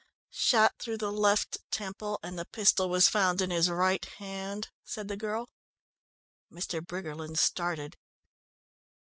"Shot through the left temple, and the pistol was found in his right hand," said the girl. Mr. Briggerland started.